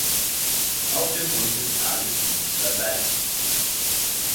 Auf dem Grund des Tales liegt Basalt.